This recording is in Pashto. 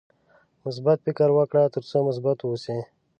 مثبت فکر وکړه ترڅو مثبت اوسې.